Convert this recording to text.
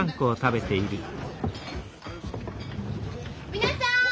皆さん！